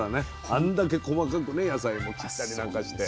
あんだけ細かくね野菜も切ったりなんかして。